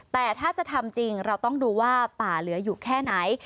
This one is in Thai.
แต่ถ้าจะทำจริงเราต้องดูว่าป่าเหลืออยู่แค่ไหน